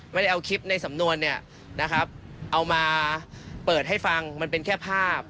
ไม่ได้เอาคลิปในสำนวนเอามาเปิดให้ฟังมันเป็นแค่ภาพ